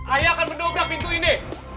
ayah akan mendobrak pintu ini